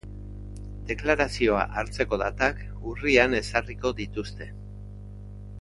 Deklarazioa hartzeko datak urrian ezarriko dituzte.